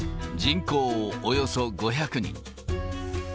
人口およそ５００人。